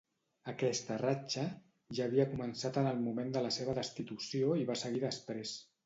Aquesta ratxa ja havia començat en el moment de la seva destitució i va seguir després.